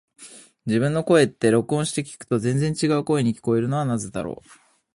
自分の声って、録音して聞くと全然違う声に聞こえるのはなぜだろう。